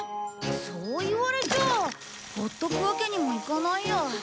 そう言われちゃあほっとくわけにもいかないや。